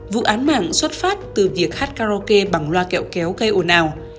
vụ án mạng xuất phát từ việc hát karaoke bằng loa kẹo kéo gây ồn ào